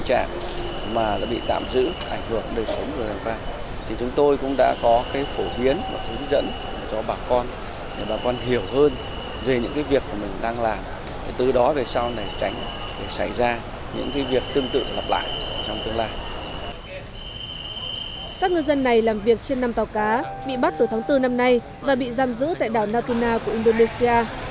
các ngư dân này làm việc trên năm tàu cá bị bắt từ tháng bốn năm nay và bị giam giữ tại đảo natuna của indonesia